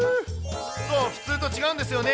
そう、普通と違うんですよね。